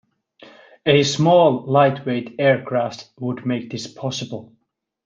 A small, lightweight aircraft would make this possible.